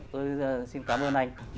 tôi xin cảm ơn anh